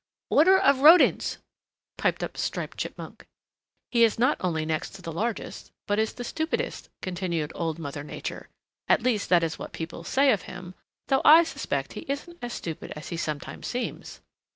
"Order of Rodents," piped up Striped Chipmunk. "He is not only next to the largest, but is the stupidest," continued Old Mother Nature. "At least that is what people say of him, though I suspect he isn't as stupid as he sometimes seems.